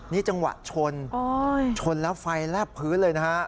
นี่จังหวะชนชนแล้วไฟแลบพื้นเลยนะฮะ